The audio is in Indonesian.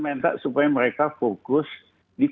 saya minta supaya mereka fokus ke sistemnya